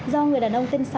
do người đàn ông tên sáu